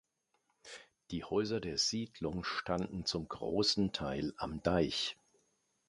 Die Häuser der Siedlung standen zum großen Teil am Deich.